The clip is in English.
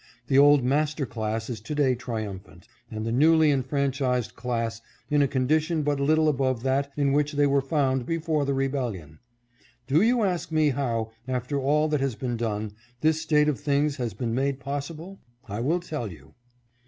The old master class is to day triumphant, and the newly enfranchised class in a condition but little above that in which they were found before the rebellion. Do you ask me how, after all that has been done, this state of things has been made possible ? I will tell you.